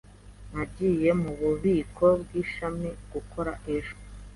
Nagiye mububiko bwishami gukora ejo.